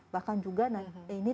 bahkan juga ini